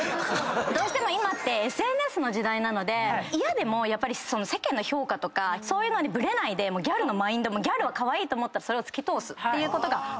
どうしても今ってＳＮＳの時代なので嫌でも世間の評価とかそういうのにブレないでギャルのマインドもギャルはカワイイと思ったらそれを突き通すことが２つ目。